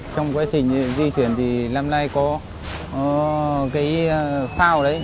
trong quá trình di chuyển thì năm nay có cái phao đấy